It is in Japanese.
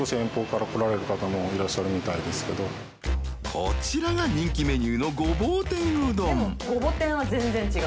こちらが人気メニューのごぼう天うどん